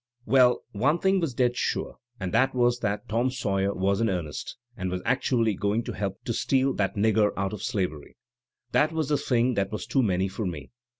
^ "Well, one thing was dead sure, and that was that Tom Sawyer was ih earnest, and was actually going to help steal that nigger out of slavery. That was the thing that was too many for me.